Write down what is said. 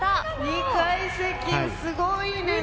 ２階席すごいねこれ！